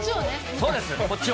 そうです、こっちを。